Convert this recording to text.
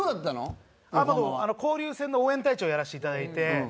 交流戦の応援隊長やらせていただいて。